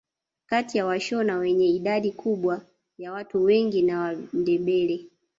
Kati ya washona wenye idadi kubwa ya watu wengi na Wandebele